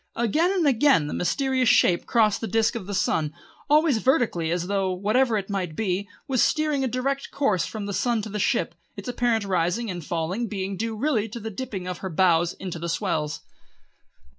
Again and again the mysterious shape crossed the disc of the sun, always vertically as though, whatever it might be, it was steering a direct course from the sun to the ship, its apparent rising and falling being due really to the dipping of her bows into the swells.